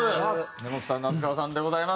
根本さん夏川さんでございます。